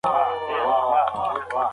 که نقشه وي نو ځای نه ورکیږي.